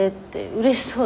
うれしそう？